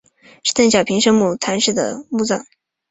是邓小平生母谈氏的墓葬。